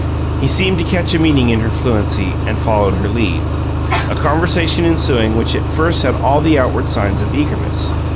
He seemed to catch a meaning in her fluency, and followed her lead, a conversation ensuing which at first had all the outward signs of eagerness.